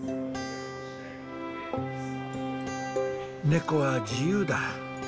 猫は自由だ。